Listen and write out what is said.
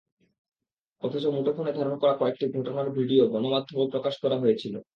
অথচ মুঠোফোনে ধারণ করা কয়েকটি ঘটনার ভিডিও গণমাধ্যমে প্রকাশ করা হয়েছিল।